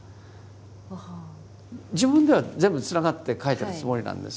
自分では全部つながって書いてるつもりなんです。